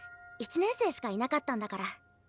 １年生しかいなかったんだから。